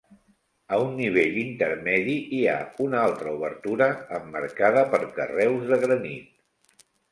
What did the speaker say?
A un nivell intermedi hi ha una altra obertura emmarcada per carreus de granit.